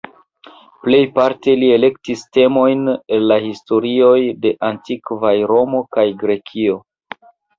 Plejparte li elektis temojn el la historioj de antikvaj Romo kaj Grekio.